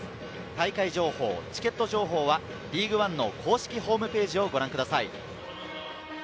大会情報・チケット情報は、リーグワンの公式ホームページをご覧ください。